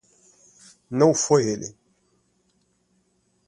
Não foi ele.